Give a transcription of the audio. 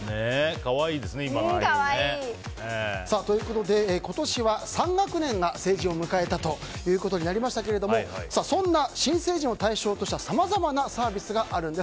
可愛いですね。ということで、今年は３学年が成人を迎えましたがそんな新成人を対象としたさまざまなサービスがあるんです。